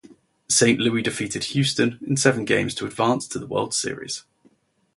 Saint Louis defeated Houston in seven games to advance to the World Series.